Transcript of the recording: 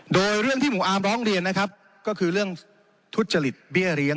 โดยเรื่องที่หมู่อาร์มร้องเรียนนะครับก็คือเรื่องทุจริตเบี้ยเลี้ยง